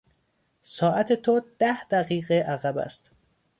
ساعت تو ده دقیقه عقب است.